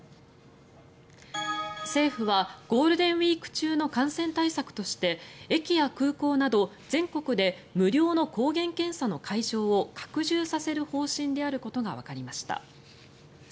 政府はゴールデンウィーク中の感染対策として駅や空港など全国で無料の抗原検査の会場を拡充させる方針であることがわかりました。